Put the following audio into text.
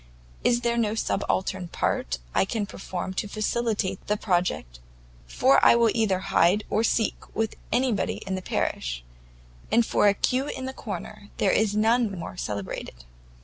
Is there no subaltern part I can perform to facilitate the project? for I will either hide or seek with any boy in the parish; and for a Q in the corner, there is none more celebrated."